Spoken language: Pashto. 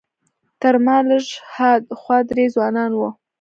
تر ما لږ ها خوا درې ځوانان وو.